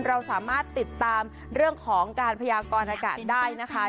เราสามารถติดตามเรื่องของการพยากรอากาศได้นะคะ